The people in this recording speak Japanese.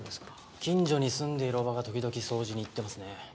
近所に住んでいる叔母が時々掃除に行ってますね。